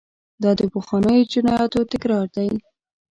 دا د پخوانیو جنایاتو تکرار دی.